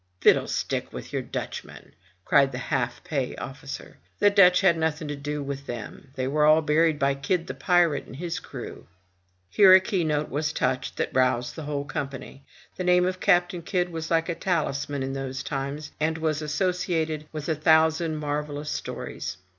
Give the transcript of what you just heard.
"Fiddlestick with your Dutchmen !'* cried the half pay officer. "The Dutch had nothing to do with them. They were all buried by Kidd the pirate, and his crew." Here a key note was touched that roused the whole company. The name of Captain Kidd was like a talisman in those times, and was associated with a thousand marvellous stories.